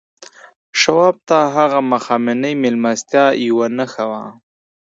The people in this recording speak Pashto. شواب ته هغه ماښامنۍ مېلمستیا یوه نښه وه